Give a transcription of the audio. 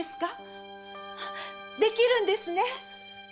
できるんですね